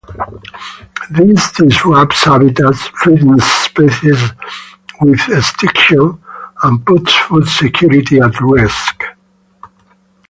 This disrupts habitats, threatens species with extinction and puts food security at risk.